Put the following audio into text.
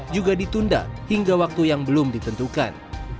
juga ditunda hingga waktu yang belum ditentukan